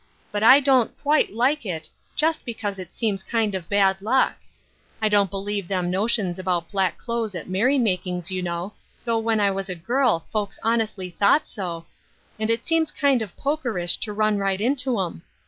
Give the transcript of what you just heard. But I don't quite like it, jest because it seems kind of bad luck. I don't believe them notions about black clothes at merry makings, you know, though when I was a girl folks honestly thought so, and it seems kind of pokerish to run right into 'em.